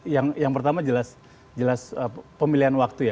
yang pertama jelas pemilihan waktu ya